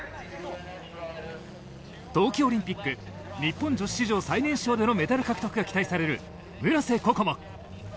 冬季オリンピック、日本女子史上最年少でのメダル獲得が期待される村瀬心椛。